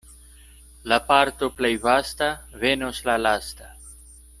La parto plej vasta venos la lasta.